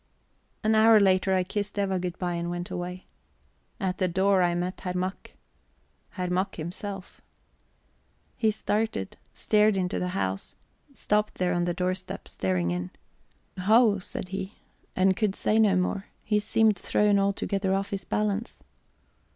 An hour later I kissed Eva good bye and went away. At the door I meet Herr Mack. Herr Mack himself. He started stared into the house stopped there on the doorstep, staring in. "Ho!" said he, and could say no more; he seemed thrown altogether off his balance.